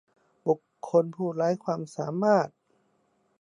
บุคคลผู้ไร้ความสามารถ